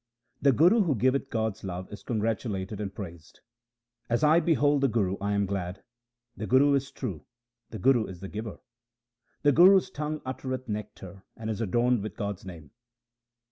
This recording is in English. The Guru who giveth God's love is congratulated and praised. As I behold the Guru I am glad ; the Guru is true, the Guru is the giver. The Guru's tongue uttereth nectar, and is adorned with God's name.